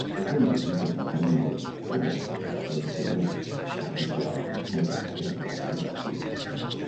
El conjunt presenta nombroses obertures a l'exterior, particularment concentrades al mur sud.